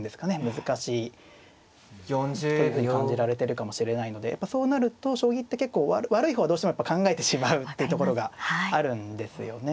難しいというふうに感じられてるかもしれないのでやっぱそうなると将棋って結構悪い方はどうしても考えてしまうってところがあるんですよね。